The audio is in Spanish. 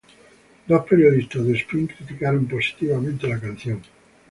Dos periodistas de Spin criticaron positivamente la canción.